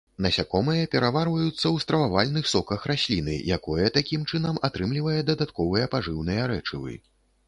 Насякомыя пераварваюцца ў стрававальных соках расліны, якое такім чынам атрымлівае дадатковыя пажыўныя рэчывы.